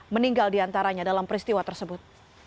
meninggal di antaranya dalam peristiwa tersebut